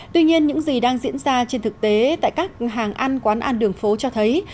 tuy nhiên những gì đang diễn ra trên thực tế tại các hàng ăn quán ăn đường phố cho thấy